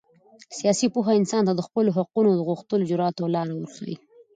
سیاسي پوهه انسان ته د خپلو حقونو د غوښتلو جرات او لاره ورښیي.